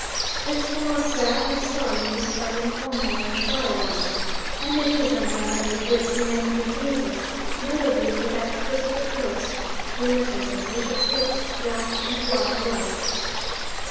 This form of bath I saw used by the M'pongwe and Igalwas, and it is undoubtedly good for many diseases, notably for that curse of the Coast, rheumatism, which afflicts black and white alike.